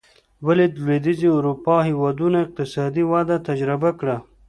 ولې د لوېدیځې اروپا هېوادونو اقتصادي وده تجربه کړه.